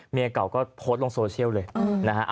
เมียเก่าก็โพสต์ลงโซเชียลเลยนะฮะ